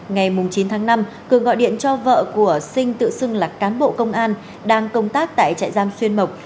ngày chín tháng năm cường gọi điện cho vợ của sinh tự xưng là cán bộ công an đang công tác tại trại giam xuyên mộc